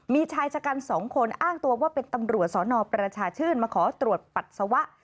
มีชายชะกัน๒คนอ้างตัวว่าเป็นตำรวจสนประชาชื่นมาขอตรวจปัสสาวะ